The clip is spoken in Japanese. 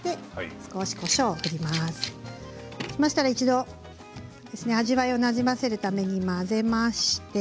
そうしましたら味わいをなじませるために混ぜます。